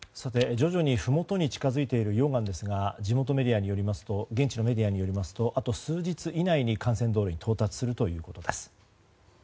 徐々にふもとに近づいている溶岩ですが現地のメディアによりますとあと数日以内に幹線道路に到達するということです。